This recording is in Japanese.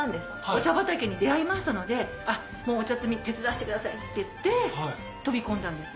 お茶畑に出会いましたのでお茶摘み手伝わせてくださいって言って飛び込んだんです。